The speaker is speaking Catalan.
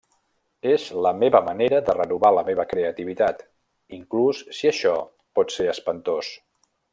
És la meva manera de renovar la meva creativitat, inclús si això pot ser espantós.